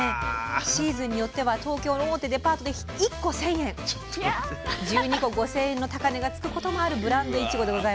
シーズンによっては東京の大手デパートで１個１，０００円１２個５，０００円の高値がつくこともあるブランドいちごでございます。